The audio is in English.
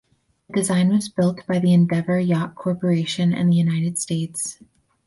The design was built by the Endeavour Yacht Corporation in the United States.